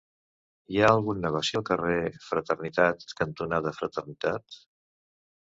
Hi ha algun negoci al carrer Fraternitat cantonada Fraternitat?